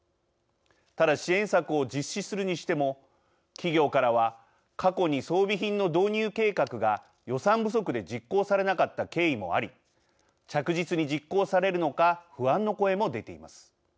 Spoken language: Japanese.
ただ、支援策を実施するにしても企業からは過去に装備品の導入計画が予算不足で実行されなかった経緯もあり着実に実行されるのか不安の声も出ています。